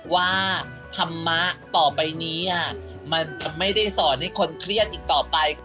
ว่าธรรมะต่อไปนี้มันจะไม่ได้สอนให้คนเครียดอีกต่อไป